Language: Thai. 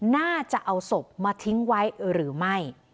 น่าจะเอาศพมาทิ้งไว้หรือไม่